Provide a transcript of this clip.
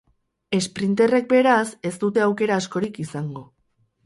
Esprinterrek, beraz, ez dute aukera askorik izango.